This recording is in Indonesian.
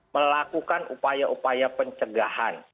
melakukan upaya upaya pencegahan